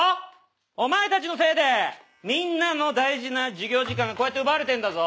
お前たちのせいでみんなの大事な授業時間が奪われてんだぞ！